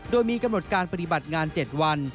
โดยมีกำหนดการปฏิบัติงาน๗วัน